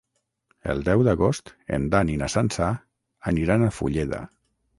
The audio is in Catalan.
El deu d'agost en Dan i na Sança aniran a Fulleda.